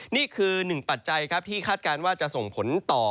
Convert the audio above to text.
นี่คือหนึ่งปัจจัยครับที่คาดการณ์ว่าจะส่งผลต่อ